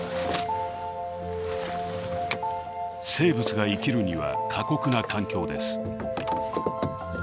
生物が生きるには過酷な環境です。